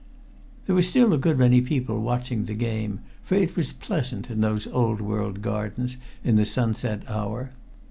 There were still a good many people watching the game, for it was pleasant in those old world gardens in the sunset hour.